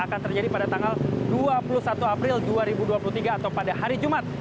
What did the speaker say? akan terjadi pada tanggal dua puluh satu april dua ribu dua puluh tiga atau pada hari jumat